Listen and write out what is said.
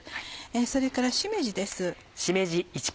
それからしめじです。